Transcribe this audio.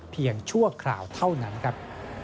เพียงชั่วข่าวเท่านั้นครับ